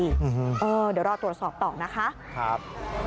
เดี๋ยวรอตรวจสอบต่อนะคะครับ